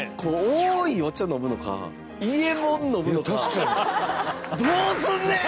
おいお茶、飲むのか伊右衛門、飲むのかどうすんねや！